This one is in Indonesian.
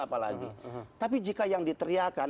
apalagi tapi jika yang diteriakan